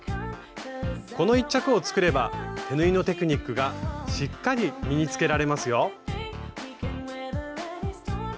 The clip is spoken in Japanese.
この一着を作れば手縫いのテクニックがしっかり身につけられますよ！